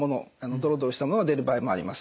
ドロドロしたものが出る場合もあります。